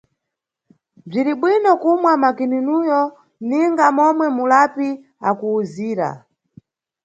Bziribwino kumwa makininiyo ninga momwe mulapi akuwuzira.